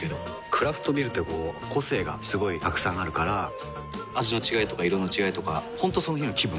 クラフトビールってこう個性がすごいたくさんあるから味の違いとか色の違いとか本当その日の気分。